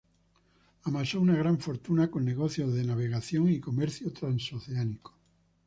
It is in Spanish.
Amasó una gran fortuna con negocios de navegación y comercio transoceánico.